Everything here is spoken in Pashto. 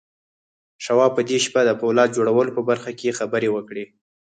شواب په دې شپه د پولاد جوړولو په برخه کې خبرې وکړې.